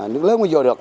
nước lớn mới vô được